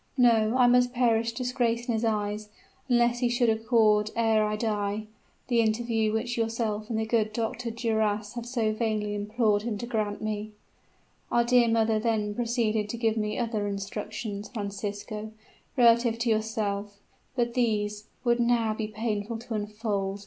No; I must perish disgraced in his eyes, unless he should accord ere I die, the interview which yourself and the good Dr. Duras have so vainly implored him to grant me.' "Our dear mother then proceeded to give me other instructions, Francisco, relative to yourself; but these," added Nisida, glancing toward Flora, "would now be painful to unfold.